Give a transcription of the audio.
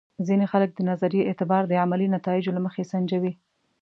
ځینې خلک د نظریې اعتبار د عملي نتایجو له مخې سنجوي.